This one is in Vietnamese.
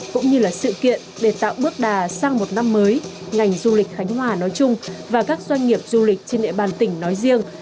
cũng như là sự kiện để tạo bước đà sang một năm mới ngành du lịch khánh hòa nói chung và các doanh nghiệp du lịch trên địa bàn tỉnh nói riêng